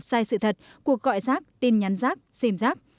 sai sự thật cuộc gọi rác tin nhắn rác xìm rác